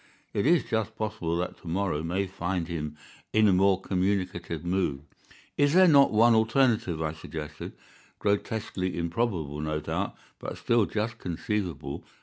It is just possible that to morrow may find him in a more communicative mood." "Is there not one alternative," I suggested, "grotesquely improbable, no doubt, but still just conceivable?